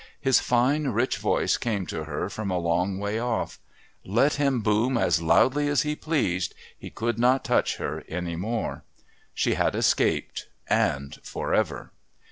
His fine rich voice came to her from a long way off. Let him boom as loudly as he pleased, he could not touch her any more. She had escaped, and for ever.